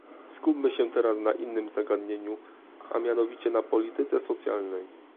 Skupmy się teraz na innym zagadnieniu, a mianowicie na polityce socjalnej